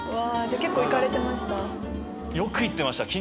結構行かれてました？